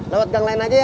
lewat gang lain aja ya